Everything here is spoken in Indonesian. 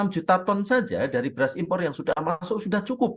enam juta ton saja dari beras impor yang sudah masuk sudah cukup